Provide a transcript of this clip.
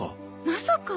まさか。